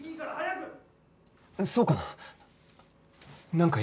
そうかな？